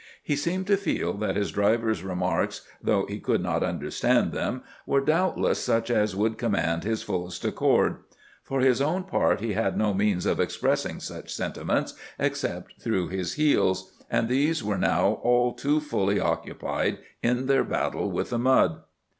He seemed to feel that his driver's remarks, though he could not understand them, were doubtless such as would command his fullest accord. For his own part he had no means of expressing such sentiments except through his heels, and these were now all too fully occupied in their battle with the mud.